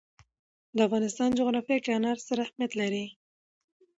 د افغانستان جغرافیه کې انار ستر اهمیت لري.